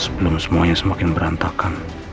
sebelum semuanya semakin berantakan